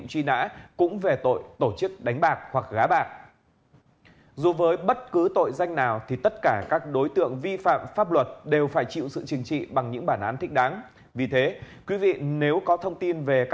xin chào và hẹn gặp lại